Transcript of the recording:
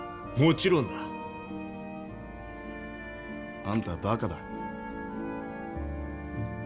もちろんだ。あんたはバカだ。